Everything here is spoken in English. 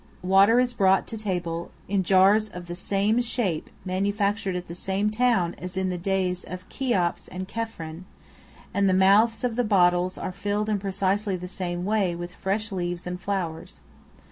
Water is brought to table in jars of the same shape manufactured at the same town, as in the days of Cheops and Chephren; and the mouths of the bottles are filled in precisely the same way with fresh leaves and flowers.